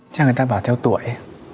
chắc người ta bảo theo tuổi